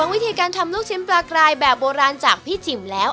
วิธีการทำลูกชิ้นปลากรายแบบโบราณจากพี่จิ๋มแล้ว